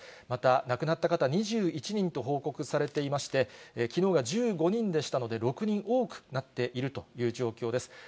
また、亡くなった方、２１人と報告されていまして、きのうが１５人でしたので、６人多くなっているという状況です。